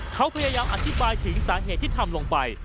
เขาพยายามอธิบายถึงสาเหตุที่ทำลงไป